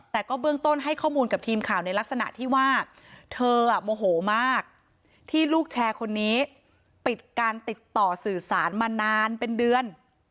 แต่ก็เบื้องต้นให้ข้อมูลกับทีมข่าวในลักษณะที่ว่าเธอโมโหมากที่ลูกแชร์คนนี้ปิดการติดต่อสื่อสารมานานเป็นเดือน